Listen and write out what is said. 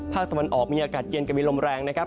ภาคตะวันออกมีอากาศเย็นกับมีลมแรงนะครับ